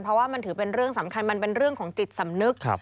เพราะว่ามันถือเป็นเรื่องสำคัญมันเป็นเรื่องของจิตสำนึก